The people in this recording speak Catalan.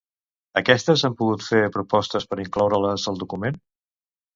Aquestes han pogut fer propostes per incloure-les al document?